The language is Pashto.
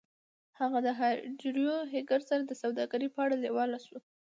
هغه د هارډویر هیکر سره د سوداګرۍ په اړه لیواله شو